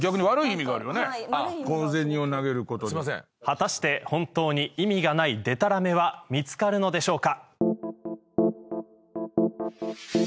果たして本当に意味がないデタラメは見つかるのでしょうか。